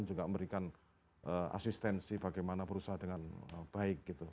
juga memberikan asistensi bagaimana berusaha dengan baik gitu